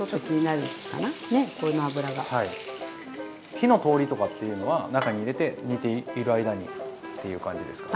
火の通りとかっていうのは中に入れて煮ている間にっていう感じですか？